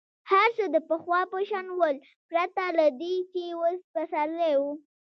هر څه د پخوا په شان ول پرته له دې چې اوس پسرلی وو.